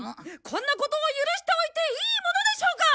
こんなことを許しておいていいものでしょうか！